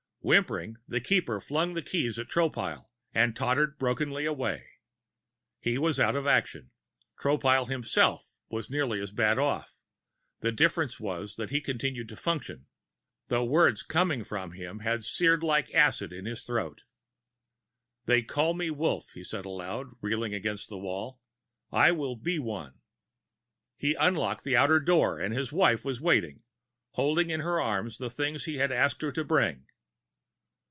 Whimpering, the Keeper flung the keys at Tropile and tottered brokenly away. He was out of the action. Tropile himself was nearly as badly off; the difference was that he continued to function. The words coming from him had seared like acid in his throat. "They call me Wolf," he said aloud, reeling against the wall. "I will be one." He unlocked the outer door and his wife was waiting, holding in her arms the things he had asked her to bring.